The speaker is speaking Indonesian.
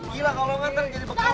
gila kalau lo kan kan jadi pekong